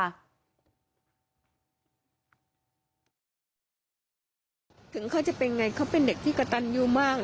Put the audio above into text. ถึงเขาจะเป็นไงเขาเป็นเด็กที่กระตันยูมาก